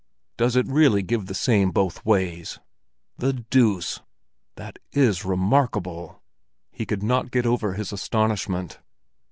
"Does it really give the same both ways? The deuce! That is remarkable!" He could not get over his astonishment.